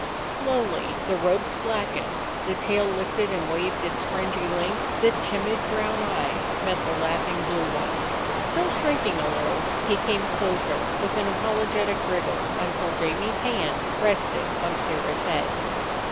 Slowly the rope slackened; the tail lifted and waved its fringy length; the timid brown eyes met the laughing blue ones. Still shrinking a little, he came closer, with an apologetic wriggle, until Jamie's hand rested on Sirrah's head.